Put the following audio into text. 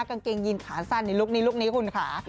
กางเกงยีนขาสั้นในลุคนี้ลุคนี้คุณค่ะ